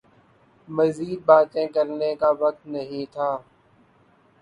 مزید باتیں کرنے کا وقت نہیں تھا